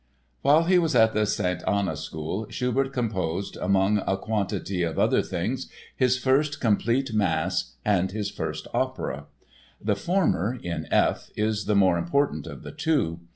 While he was at the St. Anna School, Schubert composed among a quantity of other things his first complete mass and his first opera. The former (in F) is the more important of the two.